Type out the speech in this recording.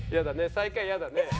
最下位イヤだね。